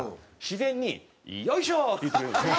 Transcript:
自然に「よいしょ！」って言ってくれるんですよ。